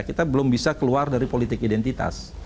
kita belum bisa keluar dari politik identitas